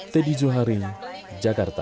teddy zuhari jakarta